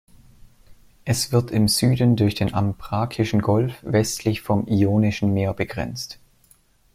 Es wird im Süden durch den Ambrakischen Golf, westlich vom Ionischen Meer begrenzt.